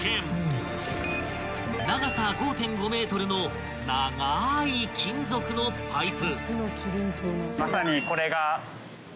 ［長さ５．５ｍの長ーい金属のパイプ］